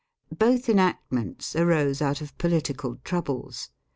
Both enactments arose out of political troubles.